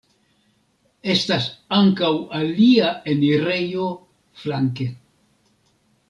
Estas ankaŭ alia enirejo flanke.